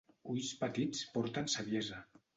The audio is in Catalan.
Ulls petits porten saviesa.